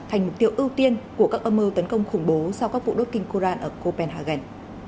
thành mục tiêu ưu tiên của các âm mưu tấn công khủng bố sau các vụ đốt kinh koran ở copenhagen